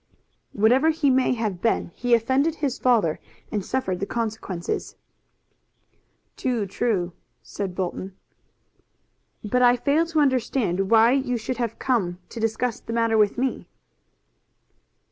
"Whatever he may have been, he offended his father, and suffered the consequences." "Too true!" "But I fail to understand why you should have come to discuss this matter with me."